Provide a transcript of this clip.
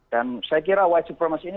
dan saya kira white supremacy ini